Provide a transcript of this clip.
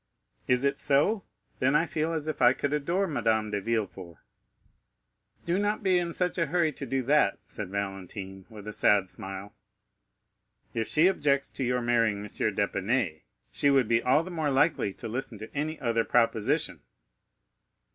"Is it so? Then I feel as if I could adore Madame de Villefort." "Do not be in such a hurry to do that," said Valentine, with a sad smile. "If she objects to your marrying M. d'Épinay, she would be all the more likely to listen to any other proposition."